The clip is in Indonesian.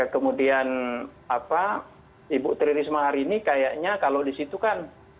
kemudian ibu tri risma hari ini kayaknya kalau di situ kan